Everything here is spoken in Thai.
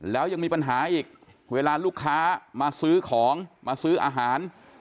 แล้วยังมีปัญหาอีกเวลาลูกค้ามาซื้อของมาซื้ออาหาร